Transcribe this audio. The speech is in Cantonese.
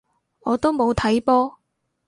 我都冇睇波